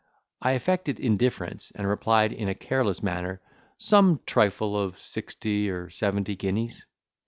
I affected indifference, and replied in a careless manner, "Some trifle of sixty or seventy guineas."